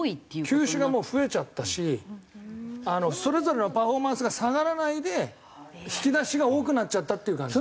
球種がもう増えちゃったしそれぞれのパフォーマンスが下がらないで引き出しが多くなっちゃったっていう感じ。